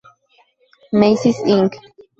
Macy's, Inc.